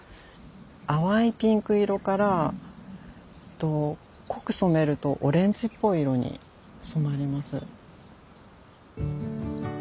淡いピンク色からえっと濃く染めるとオレンジっぽい色に染まります。